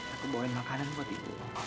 aku bawain makanan buat ibu